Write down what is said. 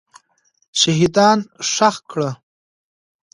شهیدان ښخ کړه.